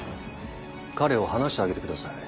彼を離してあげてください。